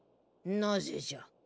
なぜじゃ。